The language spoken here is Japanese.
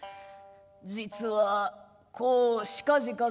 「実はこうしかじかでな。